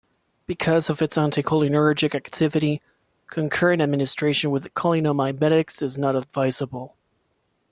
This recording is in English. Because of its anticholinergic activity, concurrent administration with cholinomimetics is not advisable.